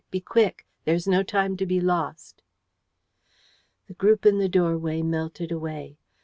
Be quick! There is no time to be lost." The group in the doorway melted away.